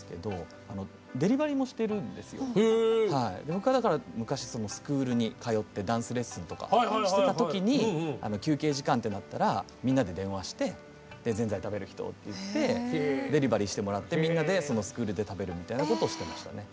僕はだから昔スクールに通ってダンスレッスンとかしてた時に休憩時間ってなったらみんなで電話して「ぜんざい食べる人」って言ってデリバリーしてもらってみんなでそのスクールで食べるみたいなことをしてましたね。